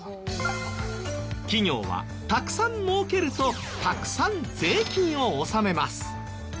企業はたくさん儲けるとたくさん税金を納めます。